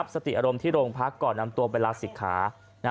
สติอารมณ์ที่โรงพักก่อนนำตัวไปลาศิกขา